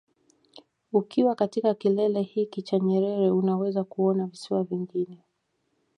Ukiwa katika kilele hiki cha Nyerere unaweza kuona visiwa vingine